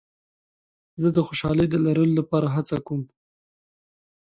زه د خوشحالۍ د لرلو لپاره هڅه کوم.